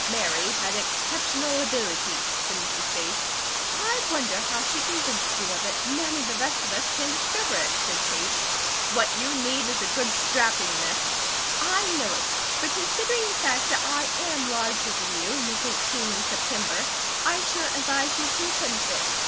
"Mary had exceptional ability," said Mrs. Bates. "I wonder how she convinced you of it. None of the rest of us can discover it," said Kate. "What you need is a good strapping, Miss." "I know it; but considering the facts that I am larger than you, and was eighteen in September, I shouldn't advise you to attempt it.